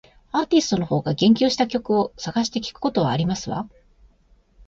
アーティストの方が言及した曲を探して聞くことはありますわ